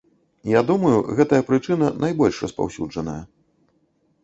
Я думаю, гэтая прычына найбольш распаўсюджаная.